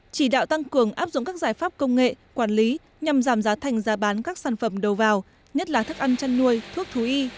chỉ đạo tăng cường áp dụng các giải pháp công nghệ quản lý nhằm giảm giá thành giá bán các sản phẩm đầu vào nhất là thức ăn chăn nuôi thuốc thú y